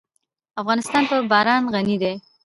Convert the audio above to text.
افغانستان په باران غني دی.